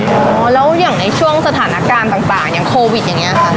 แล้วอย่างในช่วงสถานการณ์ต่างต่างอย่างโควิดอย่างเงี้ย